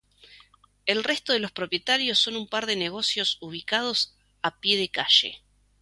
El resto de propietarios son un par de negocios ubicados a pie de calle.